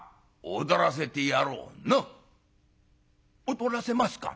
「踊らせますか？」。